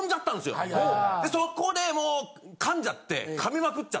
そこでもう噛んじゃって。